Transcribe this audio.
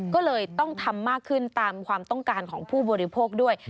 ก็เลยต้องทำมากขึ้นตามความต้องการของผู้บริโภคด้วย